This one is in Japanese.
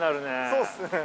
◆そうっすね。